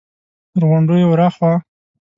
تر غونډيو ور هاخوا!